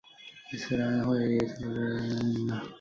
伊斯兰会议组织办事处也位于耶尔德兹宫内。